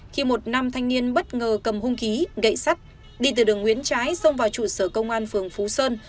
khi một nam thanh niên bất ngờ cầm hung khí gậy sắt đi từ đường nguyễn trái xông vào trụ sở công an phường phú sơn